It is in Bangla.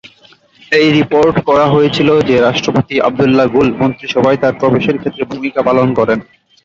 এটি রিপোর্ট করা হয়েছিল যে রাষ্ট্রপতি আবদুল্লাহ গুল মন্ত্রিসভায় তার প্রবেশের ক্ষেত্রে ভূমিকা পালন করেন।